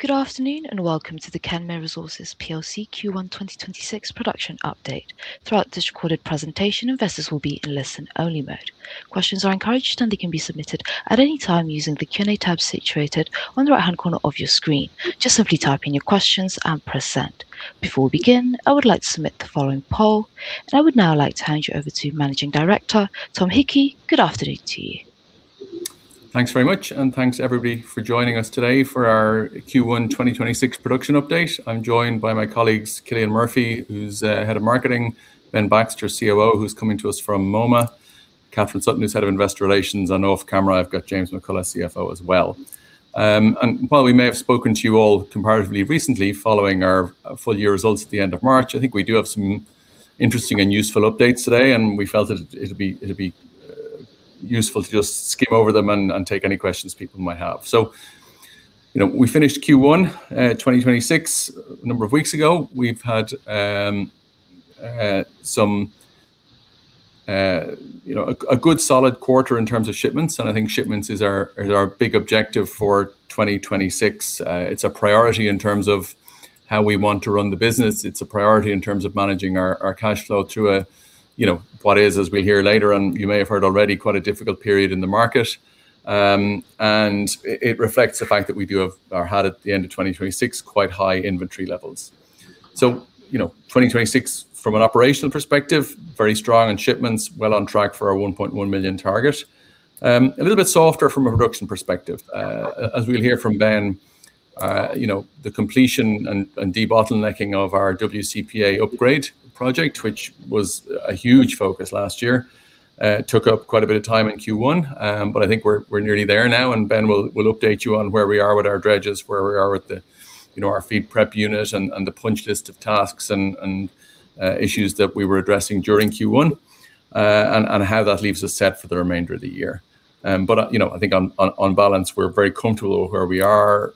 Good afternoon, and welcome to the Kenmare Resources PLC Q1 2026 Production Update. Throughout this recorded presentation, investors will be in listen-only mode. Questions are encouraged, and they can be submitted at any time using the Q&A tab situated on the right-hand corner of your screen. Just simply type in your questions and press send. Before we begin, I would like to submit the following poll, and I would now like to hand you over to Managing Director, Tom Hickey. Good afternoon to you. Thanks very much, and thanks, everybody, for joining us today for our Q1 2026 production update. I'm joined by my colleagues, Cillian Murphy, who's Head of Marketing, Ben Baxter, COO, who's coming to us from Moma, Katharine Sutton, who's Head of Investor Relations. I know off-camera, I've got James McCullough, CFO, as well. While we may have spoken to you all comparatively recently following our full year results at the end of March, I think we do have some interesting and useful updates today, and we felt that it'd be useful to just skim over them and take any questions people might have. We finished Q1 2026 a number of weeks ago. We've had a good solid quarter in terms of shipments, and I think shipments is our big objective for 2026. It's a priority in terms of how we want to run the business. It's a priority in terms of managing our cash flow through what is, as we hear later on, you may have heard already quite a difficult period in the market. It reflects the fact that we do have or had at the end of 2026 quite high inventory levels. 2026 from an operational perspective, very strong on shipments, well on track for our 1.1 million target. A little bit softer from a production perspective. As we'll hear from Ben, the completion and debottlenecking of our WCPA upgrade project, which was a huge focus last year, took up quite a bit of time in Q1. I think we're nearly there now, and Ben will update you on where we are with our dredges, where we are with our feed prep unit, and the punch list of tasks and issues that we were addressing during Q1. How that leaves us set for the remainder of the year. I think on balance, we're very comfortable where we are.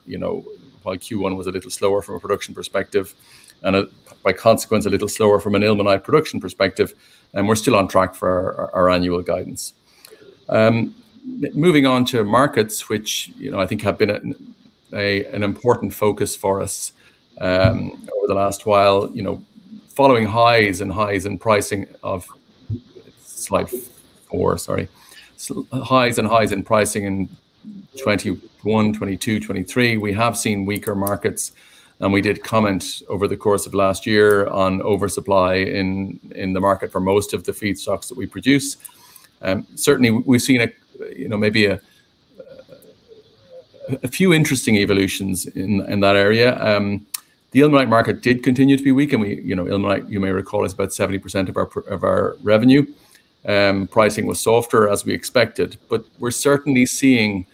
While Q1 was a little slower from a production perspective, and by consequence, a little slower from an ilmenite production perspective, and we're still on track for our annual guidance. Moving on to markets, which I think have been an important focus for us over the last while. Following highs in pricing in 2021, 2022, 2023, we have seen weaker markets. We did comment over the course of last year on oversupply in the market for most of the feedstocks that we produce. Certainly, we've seen maybe a few interesting evolutions in that area. The ilmenite market did continue to be weak, and ilmenite, you may recall, is about 70% of our revenue. Pricing was softer as we expected, but we're certainly seeing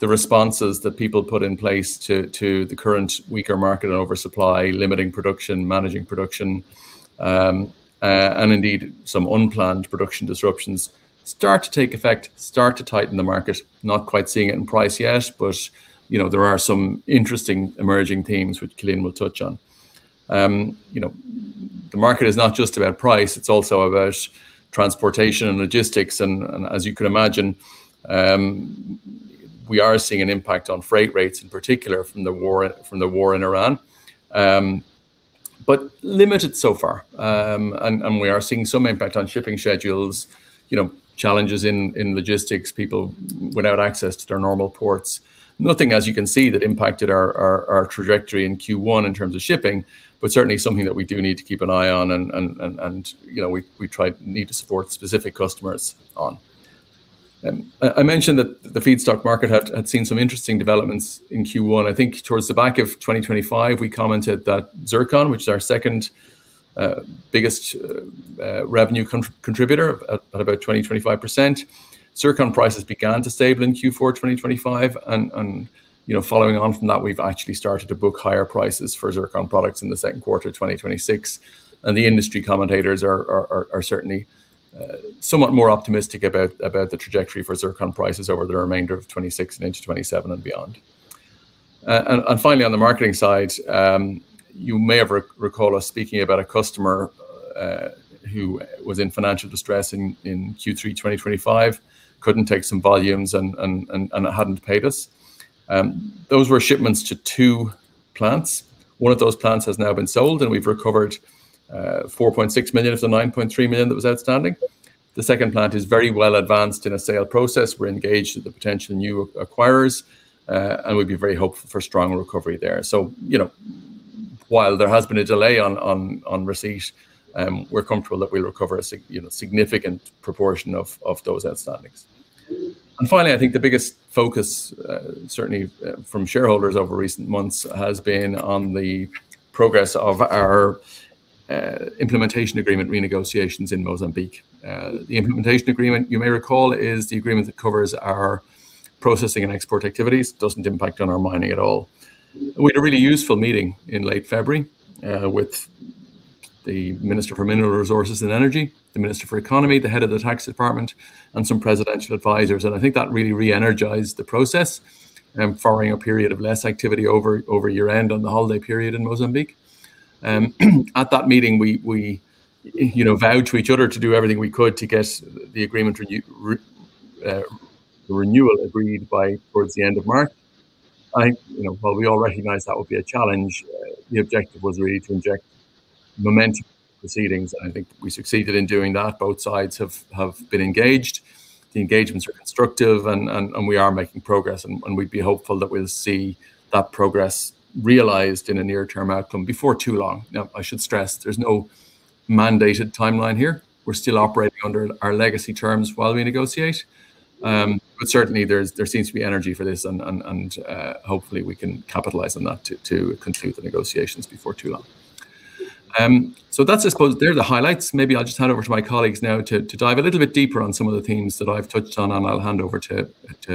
the responses that people put in place to the current weaker market and oversupply, limiting production, managing production, and indeed, some unplanned production disruptions start to take effect, start to tighten the market. Not quite seeing it in price yet, but there are some interesting emerging themes, which Cillian will touch on. The market is not just about price, it's also about transportation and logistics, and as you can imagine, we are seeing an impact on freight rates, in particular from the war in Ukraine. But limited so far. We are seeing some impact on shipping schedules, challenges in logistics, people without access to their normal ports. Nothing, as you can see, that impacted our trajectory in Q1 in terms of shipping, but certainly something that we do need to keep an eye on and we need to support specific customers on. I mentioned that the feedstock market had seen some interesting developments in Q1. I think towards the back of 2025, we commented that zircon, which is our second biggest revenue contributor at about 20%-25%. Zircon prices began to stabilize in Q4 2025. Following on from that, we've actually started to book higher prices for zircon products in the second quarter 2026. The industry commentators are certainly somewhat more optimistic about the trajectory for zircon prices over the remainder of 2026 and into 2027 and beyond. Finally, on the marketing side, you may recall us speaking about a customer who was in financial distress in Q3 2025, couldn't take some volumes and hadn't paid us. Those were shipments to two plants. One of those plants has now been sold, and we've recovered $4.6 million of the $9.3 million that was outstanding. The second plant is very well advanced in a sale process. We're engaged with the potential new acquirers, and we'd be very hopeful for strong recovery there. While there has been a delay on receipt, we're comfortable that we'll recover a significant proportion of those outstandings. Finally, I think the biggest focus, certainly from shareholders over recent months, has been on the progress of our Implementation Agreement renegotiations in Mozambique. The Implementation Agreement, you may recall, is the agreement that covers our processing and export activities. Doesn't impact on our mining at all. We had a really useful meeting in late February, with the Minister for Mineral Resources and Energy, the Minister for Economy, the head of the tax department, and some presidential advisors. I think that really re-energized the process, following a period of less activity over year-end on the holiday period in Mozambique. At that meeting, we vowed to each other to do everything we could to get the agreement, the renewal agreed by towards the end of March. I think, while we all recognized that would be a challenge, the objective was really to inject momentum into proceedings, and I think we succeeded in doing that. Both sides have been engaged. The engagements are constructive and we are making progress, and we'd be hopeful that we'll see that progress realized in a near-term outcome before too long. Now, I should stress, there's no mandated timeline here. We're still operating under our legacy terms while we negotiate. Certainly, there seems to be energy for this and hopefully we can capitalize on that to conclude the negotiations before too long. That's, I suppose, the highlights. Maybe I'll just hand over to my colleagues now to dive a little bit deeper on some of the themes that I've touched on, and I'll hand over to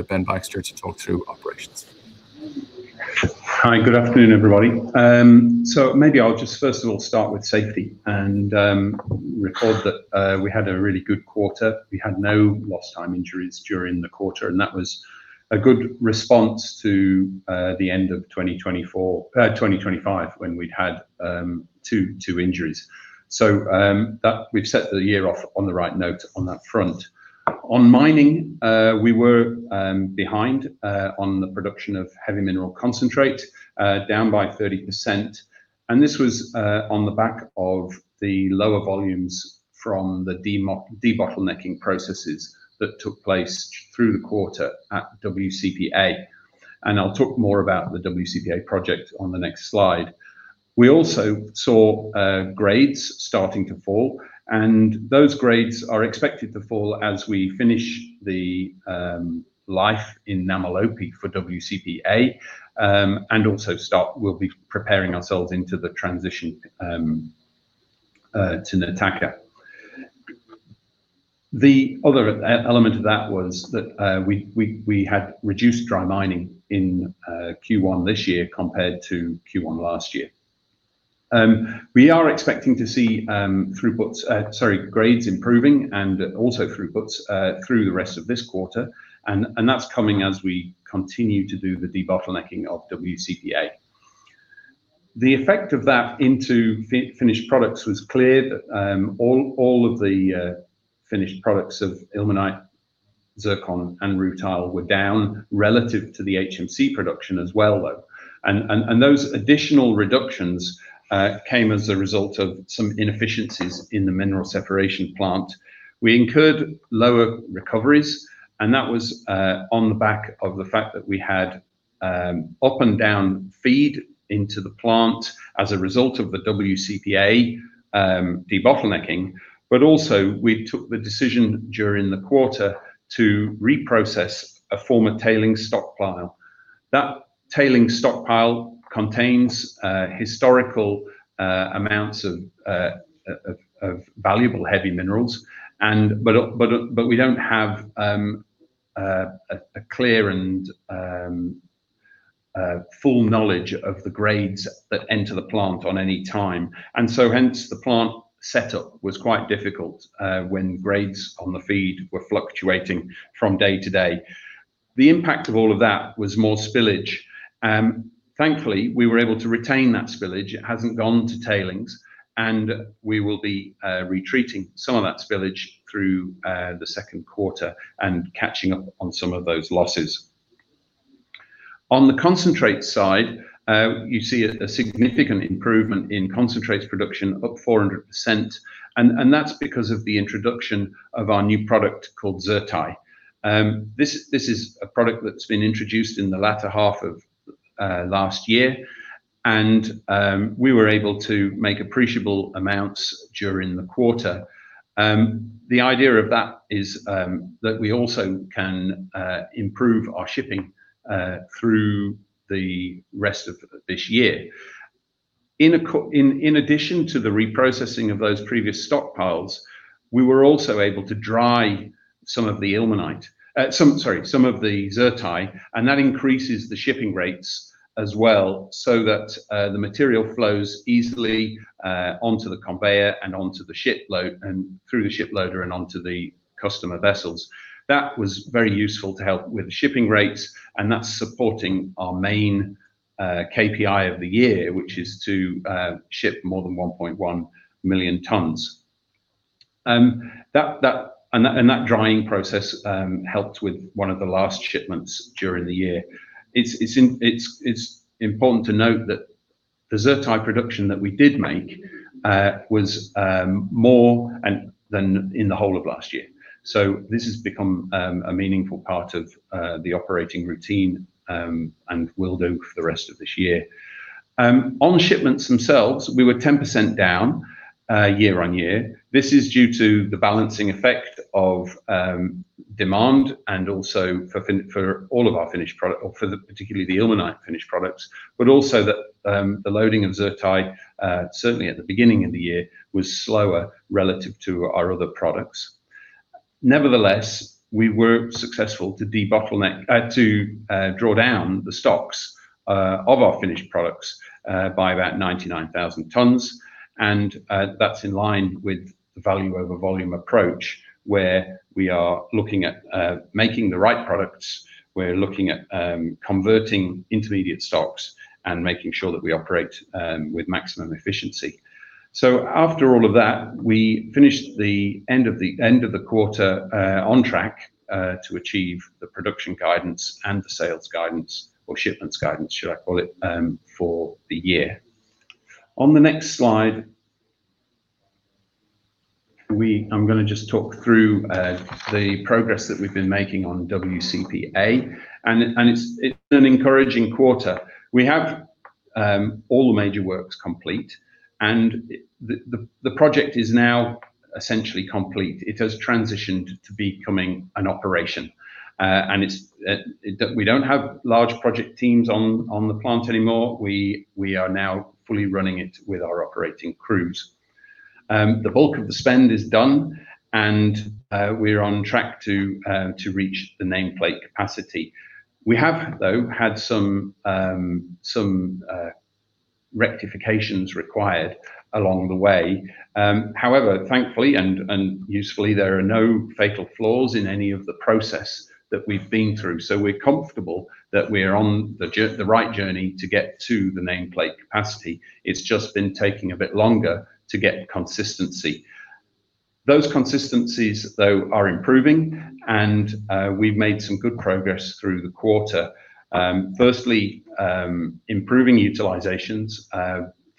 Ben Baxter to talk through operations. Hi, good afternoon, everybody. Maybe I'll just first of all start with safety and record that we had a really good quarter. We had no lost time injuries during the quarter, and that was a good response to the end of 2025, when we'd had two injuries. We've set the year off on the right note on that front. On mining, we were behind on the production of Heavy Mineral Concentrate, down by 30%. This was on the back of the lower volumes from the debottlenecking processes that took place through the quarter at WCPA. I'll talk more about the WCPA project on the next slide. We also saw grades starting to fall, and those grades are expected to fall as we finish the life in Namalope for WCPA, and also we'll be preparing ourselves into the transition to Nataka. The other element of that was that we had reduced dry mining in Q1 this year compared to Q1 last year. We are expecting to see throughputs, sorry, grades improving and also throughputs through the rest of this quarter, and that's coming as we continue to do the debottlenecking of WCPA. The effect of that into finished products was clear that all of the finished products of ilmenite, zircon, and rutile were down relative to the HMC production as well, though. Those additional reductions came as a result of some inefficiencies in the mineral separation plant. We incurred lower recoveries, and that was on the back of the fact that we had up and down feed into the plant as a result of the WCPA debottlenecking, but also we took the decision during the quarter to reprocess a former tailing stockpile. That tailings stockpile contains historical amounts of valuable heavy minerals, but we don't have a clear and full knowledge of the grades that enter the plant at any time. Hence, the plant setup was quite difficult when grades on the feed were fluctuating from day to day. The impact of all of that was more spillage. Thankfully, we were able to retain that spillage. It hasn't gone to tailings, and we will be retreating some of that spillage through the second quarter and catching up on some of those losses. On the concentrate side, you see a significant improvement in concentrates production up 400%, and that's because of the introduction of our new product called ZrTi. This is a product that's been introduced in the latter half of last year, and we were able to make appreciable amounts during the quarter. The idea of that is that we also can improve our shipping through the rest of this year. In addition to the reprocessing of those previous stockpiles, we were also able to dry some of the ZrTi, and that increases the shipping rates as well, so that the material flows easily onto the conveyor and onto the ship load and through the ship loader and onto the customer vessels. That was very useful to help with shipping rates, and that's supporting our main KPI of the year, which is to ship more than 1.1 million tons. That drying process helped with one of the last shipments during the year. It's important to note that the ZrTi production that we did make was more than in the whole of last year. This has become a meaningful part of the operating routine, and will do for the rest of this year. On the shipments themselves, we were 10% down year-on-year. This is due to the balancing effect of demand and also for all of our finished product or for particularly the ilmenite finished products, but also that the loading of ZrTi, certainly at the beginning of the year, was slower relative to our other products. Nevertheless, we were successful to debottleneck, to draw down the stocks of our finished products by about 99,000 tons, and that's in line with the value over volume approach, where we are looking at making the right products. We're looking at converting intermediate stocks and making sure that we operate with maximum efficiency. After all of that, we finished the end of the quarter on track to achieve the production guidance and the sales guidance or shipments guidance, should I call it, for the year. On the next slide, I'm just gonna talk through the progress that we've been making on WCPA, and it's an encouraging quarter. We have all the major works complete, and the project is now essentially complete. It has transitioned to becoming an operation. We don't have large project teams on the plant anymore. We are now fully running it with our operating crews. The bulk of the spend is done, and we're on track to reach the nameplate capacity. We have, though, had some rectifications required along the way. However, thankfully and usefully, there are no fatal flaws in any of the process that we've been through, so we're comfortable that we're on the right journey to get to the nameplate capacity. It's just been taking a bit longer to get consistency. Those consistencies, though, are improving, and we've made some good progress through the quarter, firstly improving utilizations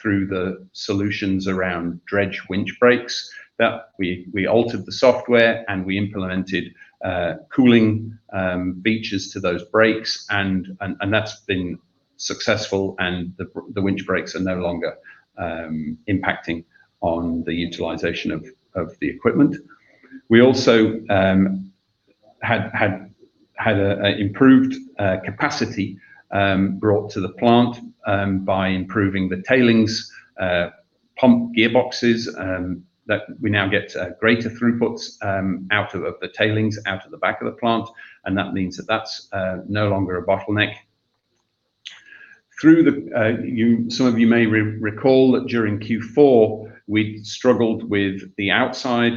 through the solutions around dredge winch brakes. We altered the software, and we implemented cooling benches to those brakes, and that's been successful, and the winch brakes are no longer impacting on the utilization of the equipment. We also had an improved capacity brought to the plant by improving the tailings pump gearboxes that we now get greater throughputs out of the tailings, out of the back of the plant, and that means that that's no longer a bottleneck. Some of you may recall that during Q4, we struggled with the outside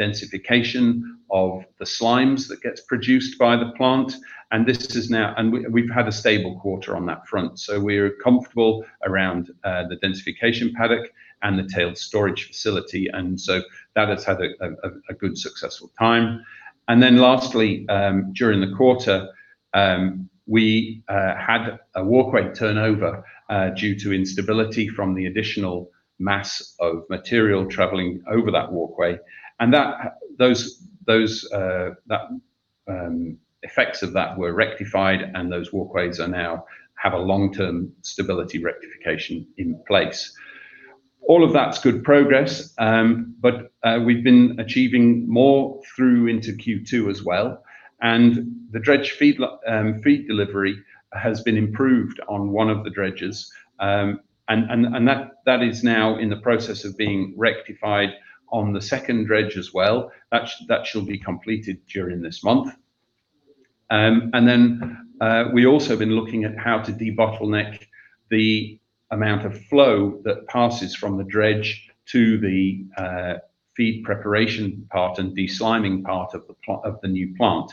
densification of the slimes that gets produced by the plant, and we've had a stable quarter on that front. We're comfortable around the densification paddock and the tailings storage facility, and so that has had a good successful time. Lastly, during the quarter, we had a walkway turnover due to instability from the additional mass of material traveling over that walkway. The effects of that were rectified, and those walkways now have a long-term stability rectification in place. All of that's good progress, but we've been achieving more through into Q2 as well, and the dredge feed delivery has been improved on one of the dredges, and that is now in the process of being rectified on the second dredge as well. That shall be completed during this month. We also have been looking at how to debottleneck the amount of flow that passes from the dredge to the feed preparation part and desliming part of the new plant.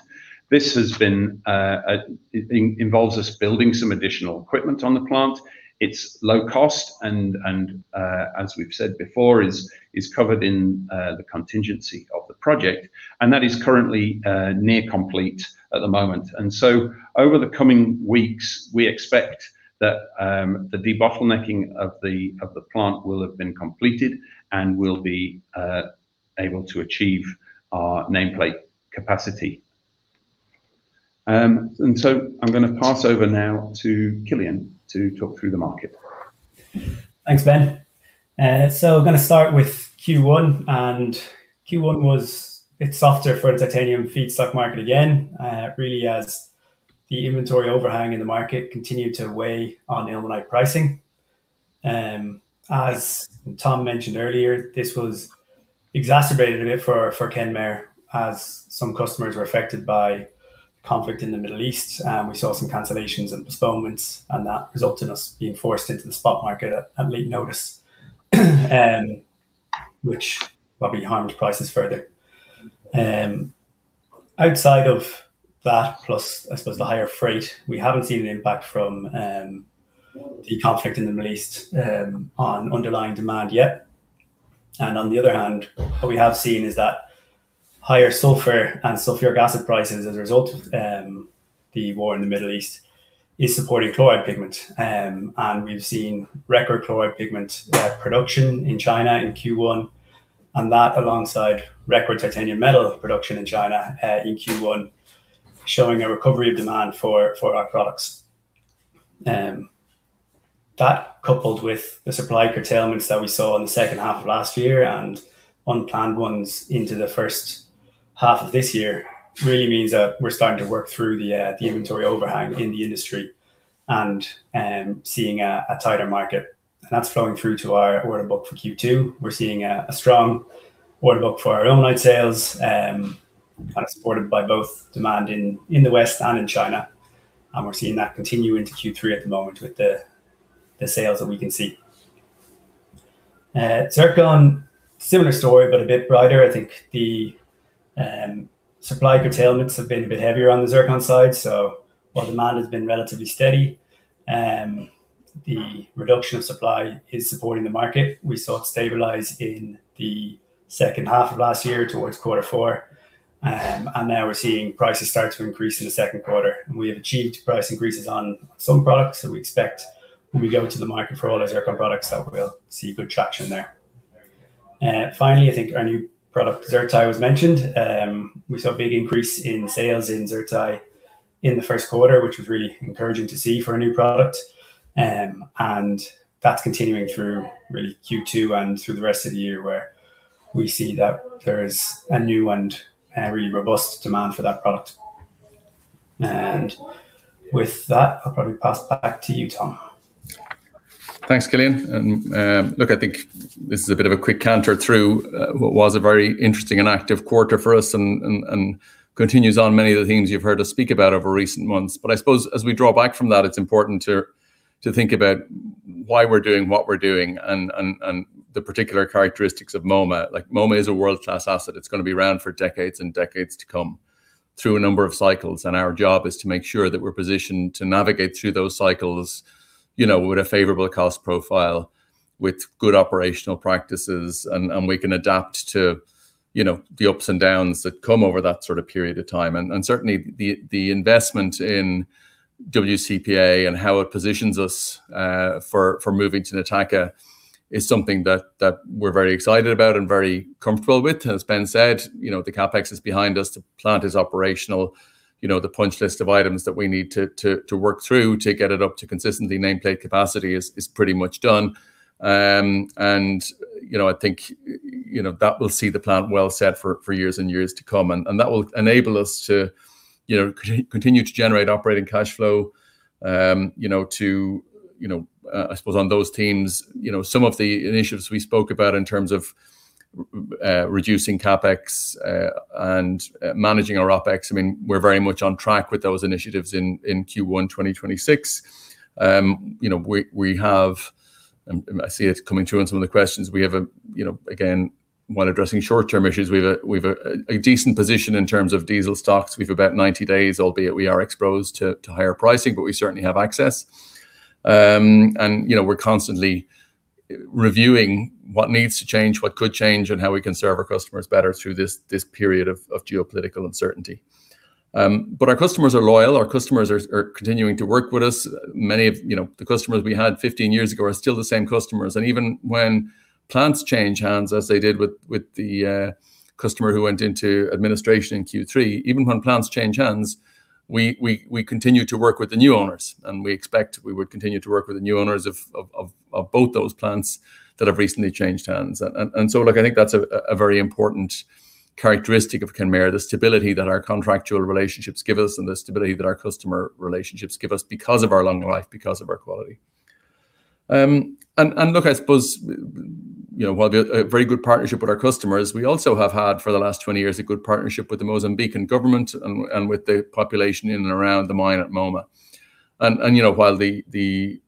This involves us building some additional equipment on the plant. It's low cost, and as we've said before, is covered in the contingency of the project, and that is currently near complete at the moment. Over the coming weeks, we expect that the debottlenecking of the plant will have been completed, and we'll be able to achieve our nameplate capacity. I'm going to pass over now to Cillian to talk through the market. Thanks, Ben. Going to start with Q1, and Q1 was a bit softer for the titanium feedstock market again, really as the inventory overhang in the market continued to weigh on ilmenite pricing. As Tom mentioned earlier, this was exacerbated a bit for Kenmare as some customers were affected by conflict in the Middle East. We saw some cancellations and postponements, and that resulted in us being forced into the spot market at late notice which probably harmed prices further. Outside of that plus, I suppose, the higher freight, we haven't seen an impact from the conflict in the Middle East on underlying demand yet. On the other hand, what we have seen is that higher sulfur and sulfuric acid prices as a result of the war in the Middle East is supporting chloride pigment. We've seen record chloride pigment production in China in Q1, and that alongside record titanium metal production in China, in Q1, showing a recovery of demand for our products. That, coupled with the supply curtailments that we saw in the second half of last year and unplanned ones into the first half of this year, really means that we're starting to work through the inventory overhang in the industry and seeing a tighter market. That's flowing through to our order book for Q2. We're seeing a strong order book for our ilmenite sales, kind of supported by both demand in the West and in China. We're seeing that continue into Q3 at the moment with the sales that we can see. Zircon, similar story, but a bit brighter. I think the supply curtailments have been a bit heavier on the zircon side. While demand has been relatively steady, the reduction of supply is supporting the market. We saw it stabilize in the second half of last year towards quarter four, and now we're seeing prices start to increase in the second quarter. We have achieved price increases on some products, so we expect when we go to the market for all our zircon products that we'll see good traction there. Finally, I think our new product, ZrTi, was mentioned. We saw a big increase in sales in ZrTi in the first quarter, which was really encouraging to see for a new product. That's continuing through really Q2 and through the rest of the year, where we see that there is a new and a really robust demand for that product. With that, I'll probably pass back to you, Tom. Thanks, Cillian. Look, I think this is a bit of a quick canter through what was a very interesting and active quarter for us and continues on many of the themes you've heard us speak about over recent months. I suppose as we draw back from that, it's important to think about why we're doing what we're doing and the particular characteristics of Moma. Moma is a world-class asset. It's going to be around for decades and decades to come through a number of cycles, and our job is to make sure that we're positioned to navigate through those cycles, with a favorable cost profile, with good operational practices, and we can adapt to the ups and downs that come over that sort of period of time. Certainly the investment in WCPA and how it positions us for moving to Nataka is something that we're very excited about and very comfortable with. As Ben said, the CapEx is behind us. The plant is operational. The punch list of items that we need to work through to get it up to consistently nameplate capacity is pretty much done. That will see the plant well set for years and years to come. That will enable us to continue to generate operating cash flow. I suppose on those themes, some of the initiatives we spoke about in terms of reducing CapEx and managing our OpEx, we're very much on track with those initiatives in Q1 2026. We have, I see it coming through on some of the questions. Again, while addressing short-term issues, we've a decent position in terms of diesel stocks. We have about 90 days, albeit we are exposed to higher pricing, but we certainly have access. We're constantly reviewing what needs to change, what could change, and how we can serve our customers better through this period of geopolitical uncertainty. Our customers are loyal. Our customers are continuing to work with us. Many of the customers we had 15 years ago are still the same customers. Even when plants change hands, as they did with the customer who went into administration in Q3, we continue to work with the new owners, and we expect we would continue to work with the new owners of both those plants that have recently changed hands. Look, I think that's a very important characteristic of Kenmare, the stability that our contractual relationships give us and the stability that our customer relationships give us because of our long life, because of our quality. Look, I suppose, while we have a very good partnership with our customers, we also have had for the last 20 years a good partnership with the Mozambican government and with the population in and around the mine at Moma. While the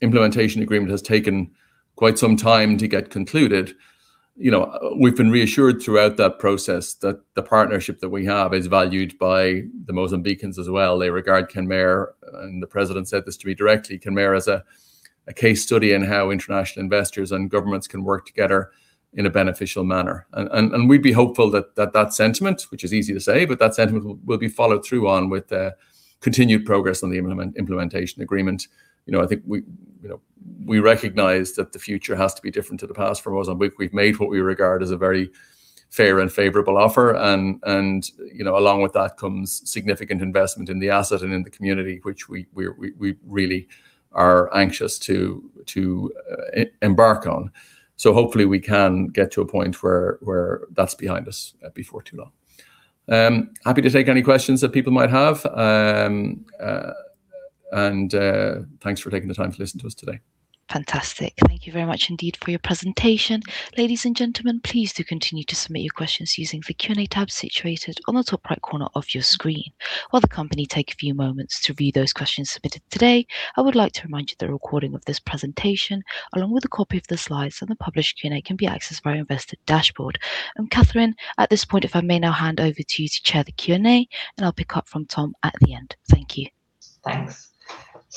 Implementation Agreement has taken quite some time to get concluded, we've been reassured throughout that process that the partnership that we have is valued by the Mozambicans as well. They regard Kenmare, and the president said this to me directly, Kenmare as a case study in how international investors and governments can work together in a beneficial manner. We'd be hopeful that that sentiment, which is easy to say, but that sentiment will be followed through on with the continued progress on the Implementation Agreement. I think we recognize that the future has to be different to the past for Mozambique. We've made what we regard as a very fair and favorable offer, and along with that comes significant investment in the asset and in the community, which we really are anxious to embark on. Hopefully we can get to a point where that's behind us before too long. Happy to take any questions that people might have. Thanks for taking the time to listen to us today. Fantastic. Thank you very much indeed for your presentation. Ladies and gentlemen, please do continue to submit your questions using the Q&A tab situated on the top right corner of your screen. While the company take a few moments to view those questions submitted today, I would like to remind you that a recording of this presentation, along with a copy of the slides and the published Q&A, can be accessed via Investor Dashboard. Katharine, at this point, if I may now hand over to you to chair the Q&A, and I'll pick up from Tom at the end. Thank you. Thanks.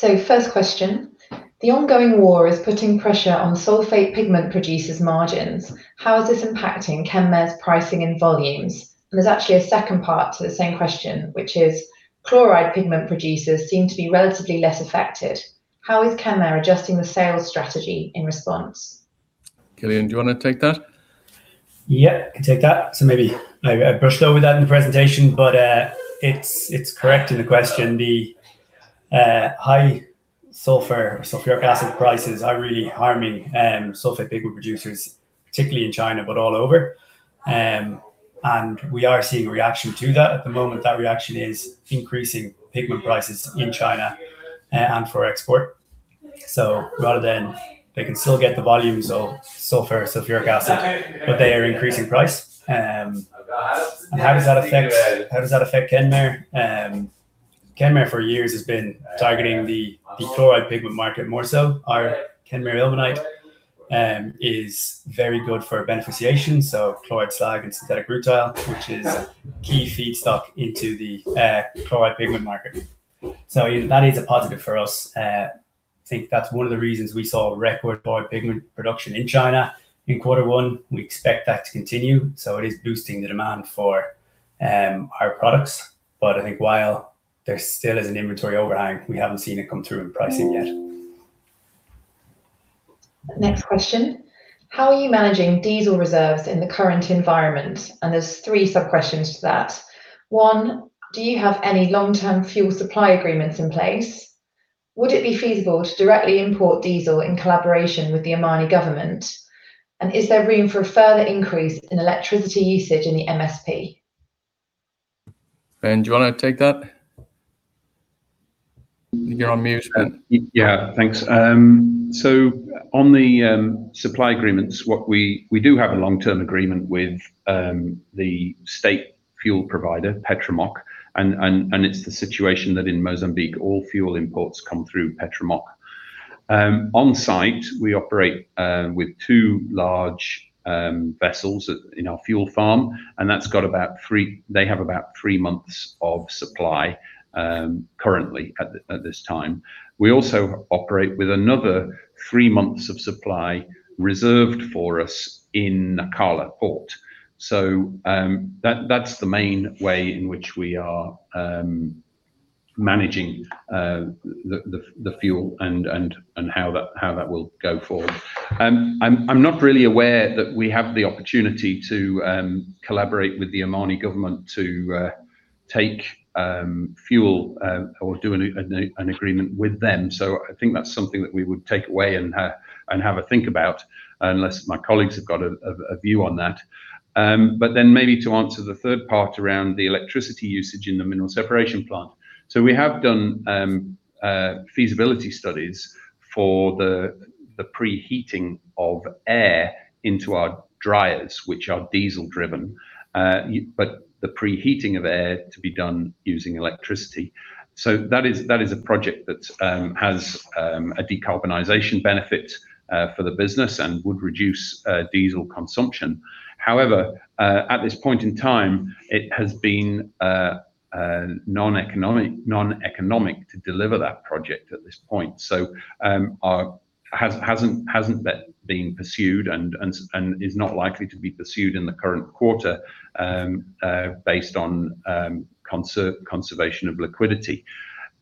First question. The ongoing war is putting pressure on sulfate pigment producers' margins. How is this impacting Kenmare's pricing and volumes? There's actually a second part to the same question, which is, chloride pigment producers seem to be relatively less affected. How is Kenmare adjusting the sales strategy in response? Cillian, do you want to take that? Yeah, I can take that. Maybe I brushed over that in the presentation, but it's correct in the question. The high sulfur, sulfuric acid prices are really harming sulfate pigment producers, particularly in China, but all over. We are seeing a reaction to that at the moment. That reaction is increasing pigment prices in China and for export. Rather than they can still get the volumes of sulfur, sulfuric acid, but they are increasing price. How does that affect Kenmare? Kenmare for years has been targeting the chloride pigment market more so. Our Kenmare ilmenite is very good for beneficiation, so chloride slag and synthetic rutile, which is key feedstock into the chloride pigment market. That is a positive for us. I think that's one of the reasons we saw record chloride pigment production in China in quarter one. We expect that to continue. It is boosting the demand for our products. I think while there still is an inventory overhang, we haven't seen it come through in pricing yet. Next question, how are you managing diesel reserves in the current environment? There's three sub-questions to that. One, do you have any long-term fuel supply agreements in place? Would it be feasible to directly import diesel in collaboration with the Omani government? Is there room for a further increase in electricity usage in the MSP? Ben, do you want to take that? You're on mute, Ben. Yeah. Thanks. On the supply agreements, we do have a long-term agreement with the state fuel provider, Petromoc, and it's the situation that in Mozambique, all fuel imports come through Petromoc. On site, we operate with two large vessels in our fuel farm, and they have about three months of supply currently at this time. We also operate with another three months of supply reserved for us in Nacala Port. That's the main way in which we are managing the fuel and how that will go forward. I'm not really aware that we have the opportunity to collaborate with the Omani government to take fuel or do an agreement with them. I think that's something that we would take away and have a think about, unless my colleagues have got a view on that. Maybe to answer the third part around the electricity usage in the Mineral Separation Plant. We have done feasibility studies for the pre-heating of air into our dryers, which are diesel driven. The pre-heating of air to be done using electricity. That is a project that has a decarbonization benefit for the business and would reduce diesel consumption. However, at this point in time, it has been non-economic to deliver that project at this point. Hasn't been being pursued and is not likely to be pursued in the current quarter based on conservation of liquidity.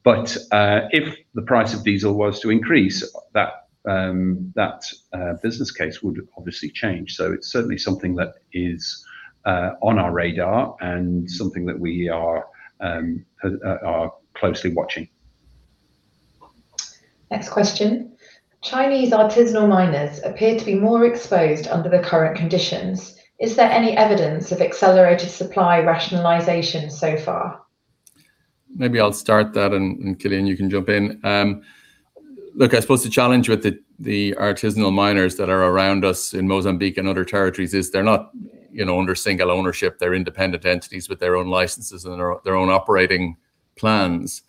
If the price of diesel was to increase, that business case would obviously change. It's certainly something that is on our radar and something that we are closely watching. Next question. Chinese artisanal miners appear to be more exposed under the current conditions. Is there any evidence of accelerated supply rationalization so far? Maybe I'll start that, and Cillian, you can jump in. Look, I suppose the challenge with the artisanal miners that are around us in Mozambique and other territories is they're not under single ownership. They're independent entities with their own licenses and their own operating plans.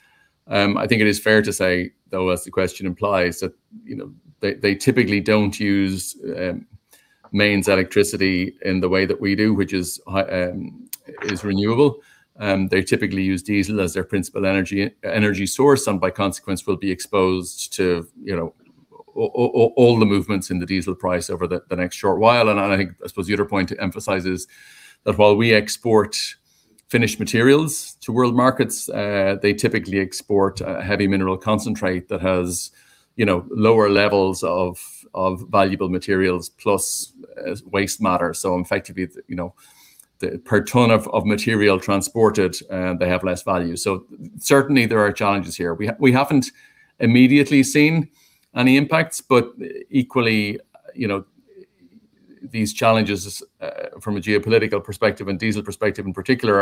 I think it is fair to say, though, as the question implies, that they typically don't use mains electricity in the way that we do, which is renewable. They typically use diesel as their principal energy source, and by consequence, will be exposed to all the movements in the diesel price over the next short while. I suppose the other point to emphasize is that while we export finished materials to world markets, they typically export a heavy mineral concentrate that has lower levels of valuable materials plus waste matter. Effectively, per ton of material transported, they have less value. Certainly, there are challenges here. We haven't immediately seen any impacts, but equally, these challenges from a geopolitical perspective and diesel perspective in particular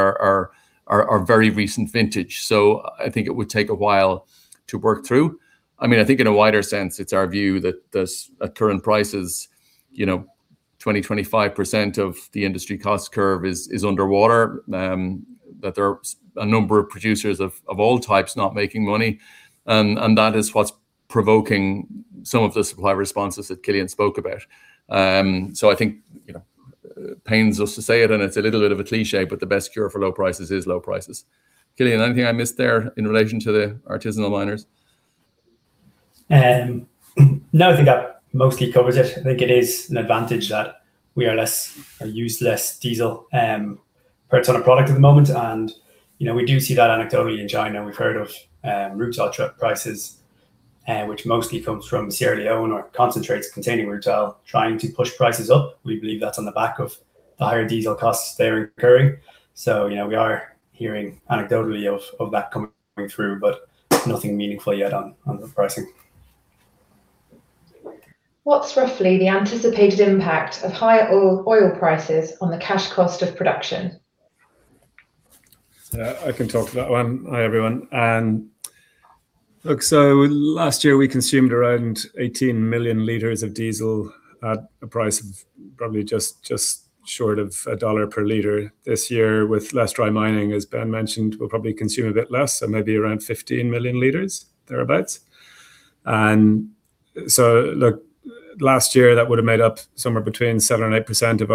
are very recent vintage. I think it would take a while to work through. I think in a wider sense, it's our view that at current prices, 20%-25% of the industry cost curve is underwater, that there are a number of producers of all types not making money, and that is what's provoking some of the supply responses that Cillian spoke about. I think it pains us to say it, and it's a little bit of a cliché, but the best cure for low prices is low prices. Cillian, anything I missed there in relation to the artisanal miners? No, I think that mostly covers it. I think it is an advantage that we use less diesel per ton of product at the moment, and we do see that anecdotally in China. We've heard of rutile truck prices, which mostly comes from Sierra Leone or concentrates containing rutile, trying to push prices up. We believe that's on the back of the higher diesel costs they're incurring. We are hearing anecdotally of that coming through, but nothing meaningful yet on the pricing. What's roughly the anticipated impact of higher oil prices on the cash cost of production? I can talk to that one. Hi, everyone. Look, last year, we consumed around 18 million liters of diesel at a price of probably just short of $1 per liter. This year, with less dry mining, as Ben mentioned, we'll probably consume a bit less, so maybe around 15 million liters, thereabout. Look, last year, that would have made up somewhere between 7%-8% of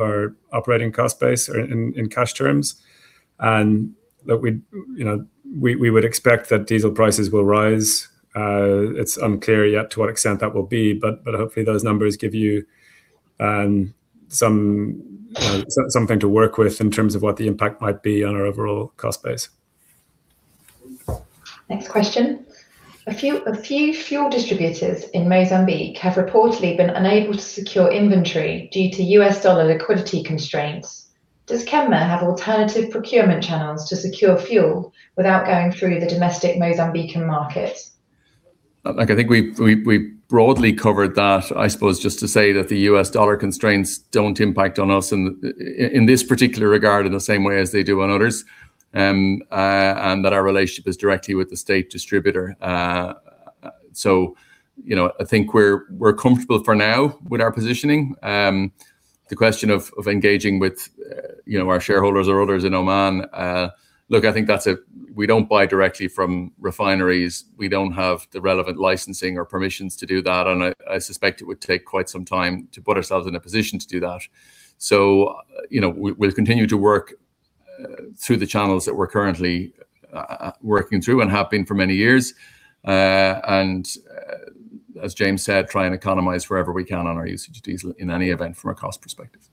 our operating cost base in cash terms. We would expect that diesel prices will rise. It's unclear yet to what extent that will be, but hopefully those numbers give you something to work with in terms of what the impact might be on our overall cost base. Next question. A few fuel distributors in Mozambique have reportedly been unable to secure inventory due to U.S. dollar liquidity constraints. Does Kenmare have alternative procurement channels to secure fuel without going through the domestic Mozambican market? Look, I think we broadly covered that. I suppose just to say that the U.S. dollar constraints don't impact on us in this particular regard in the same way as they do on others, and that our relationship is directly with the state distributor. I think we're comfortable for now with our positioning. The question of engaging with our shareholders or others in Oman, look, I think we don't buy directly from refineries. We don't have the relevant licensing or permissions to do that, and I suspect it would take quite some time to put ourselves in a position to do that. We'll continue to work through the channels that we're currently working through and have been for many years. As James said, try and economize wherever we can on our usage of diesel, in any event, from a cost perspective.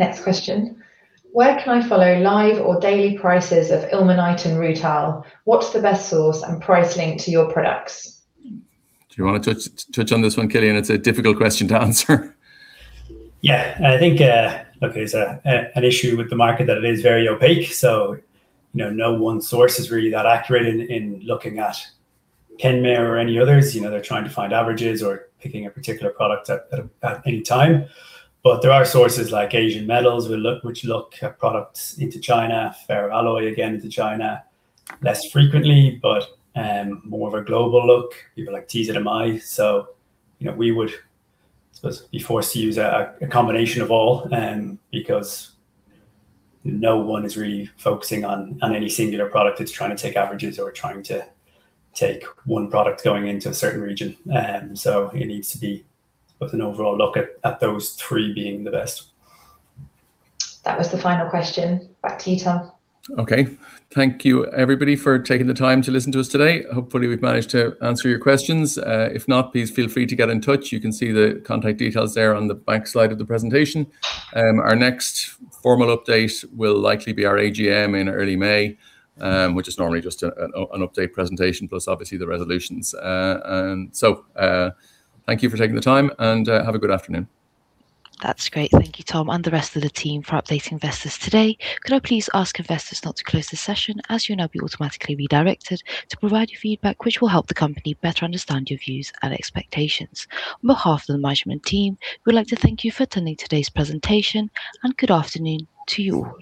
Next question. Where can I follow live or daily prices of ilmenite and rutile? What's the best source and price link to your products? Do you want to touch on this one, Cillian? It's a difficult question to answer. Yeah. I think, okay, an issue with the market that it is very opaque. No one source is really that accurate in looking at Kenmare or any others. They're trying to find averages or picking a particular product at any time. There are sources like Asian Metal, which look at products into China, FerroAlloyNet, again, into China, less frequently, but more of a global look, people like TZMI. We would, I suppose, be forced to use a combination of all, because no one is really focusing on any singular product that's trying to take averages or trying to take one product going into a certain region. It needs to be with an overall look at those three being the best. That was the final question. Back to you, Tom. Okay. Thank you everybody for taking the time to listen to us today. Hopefully we've managed to answer your questions. If not, please feel free to get in touch. You can see the contact details there on the back slide of the presentation. Our next formal update will likely be our AGM in early May, which is normally just an update presentation plus obviously the resolutions. Thank you for taking the time, and have a good afternoon. That's great. Thank you, Tom, and the rest of the team for updating investors today. Could I please ask investors not to close this session, as you'll now be automatically redirected to provide your feedback, which will help the company better understand your views and expectations. On behalf of the management team, we'd like to thank you for attending today's presentation, and good afternoon to you all.